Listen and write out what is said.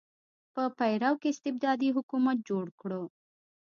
په پیرو کې استبدادي حکومت جوړ کړ.